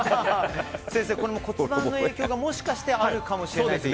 先生、これも骨盤の影響がもしかしてあるかもしれないと。